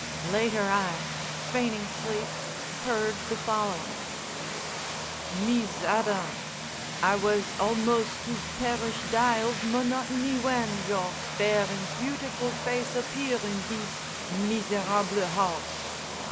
Later I, feigning sleep, heard the following: "Mees Adams, I was almost to perish die of monotony w'en your fair and beautiful face appear in thees mee ser rhable house."